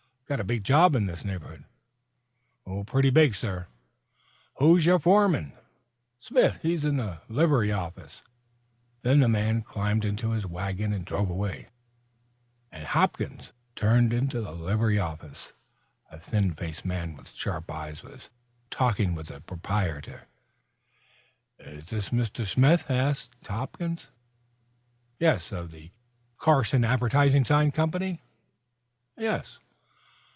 "Got a big job in this neighborhood?" "Pretty big, sir." "Who's your foreman?" "Smith. He's in the livery office." Then the man climbed into his wagon and drove away, and Hopkins turned into the livery office. A thin faced man with sharp eyes was Talking with the proprietor. "Is this Mr. Smith?" asked Hopkins. "Yes." "Of the Carson Advertising Sign Company?" "Yes."